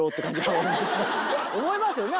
思いますよね